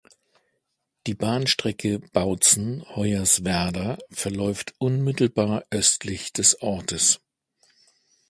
Die Bahnstrecke Bautzen–Hoyerswerda verläuft unmittelbar östlich des Ortes.